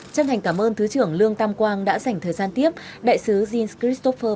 chân thành cảm ơn thứ trưởng lương tam quang đã dành thời gian tiếp đại sứ jean skristopher